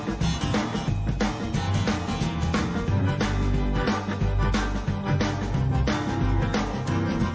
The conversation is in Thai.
โอ้โอ้โอ้โอ้โอ้